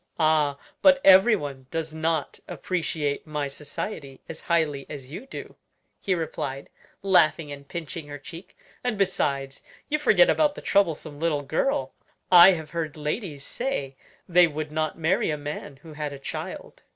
"Ah! but everyone does not appreciate my society as highly as you do," he replied, laughing and pinching her cheek; "and besides, you forget about the troublesome little girl. I have heard ladies say they would not marry a man who had a child."